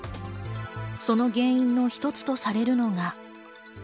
その原因の一つとされるのが。